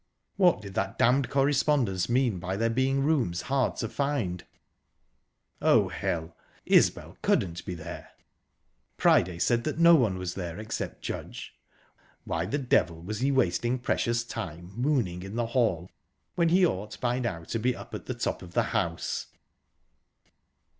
What did that damned correspondence mean by there being rooms hard to find? ...Oh, hell! Isbel couldn't be there. Priday said no one was there except Judge...why the devil was he wasting precious time mooning in the hall, when he ought by now to be up at the top of the house?...